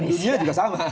dan dunia juga sama